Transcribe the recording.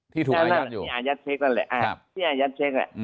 ที่ถูกอายัดอยู่ใช่น่ะนี่อายัดเช็คนั่นแหละอ่าที่อายัดเช็คแหละ